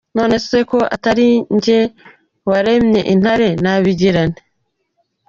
Nonese ko atari njye waremye intare, nabigira nte?”.